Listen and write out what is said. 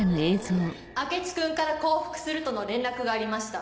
明智君から降伏するとの連絡がありました。